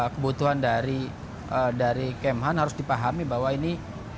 kebutuhan dari km han harus dipahami bahwa ini